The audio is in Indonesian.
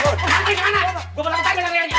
gue mau langsung balik dari sini